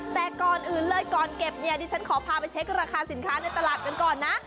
แต่ก่อนอื่นเลยก่อนเก็บเนี่ยดิฉันขอพาไปเช็คราคาสินค้าในตลาดกันก่อนนะ